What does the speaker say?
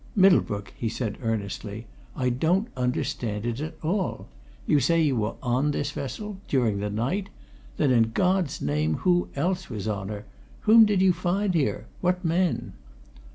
"Middlebrook!" he said earnestly. "I don't understand it, at all. You say you were on this vessel during the night? Then, in God's name, who else was on her whom did you find here what men?"